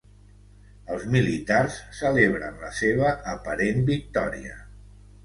Els militars celebren la seva aparent victòria.